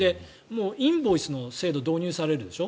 インボイスの制度導入されるでしょ。